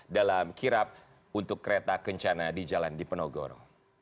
dalam kirap untuk kereta kencana di jalan dipenogoro